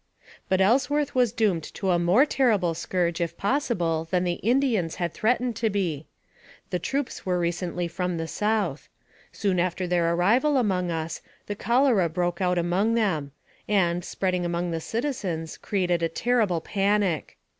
But Ellsworth was doomed to a more terrible scourge, if possible, than the Indians had threatened to be. The troops were recently from the South. Soon after their arrival among us, the cholera broke out among them, and, spreading among the citizens, created a terrible panic.